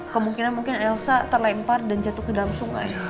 kemungkinan mungkin elsa terlempar dan jatuh ke dalam sungai